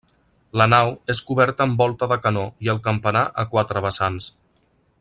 La nau és coberta amb volta de canó i el campanar, a quatre vessants.